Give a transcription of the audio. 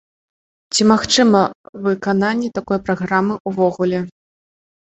Ці магчыма выкананне такой праграмы ўвогуле?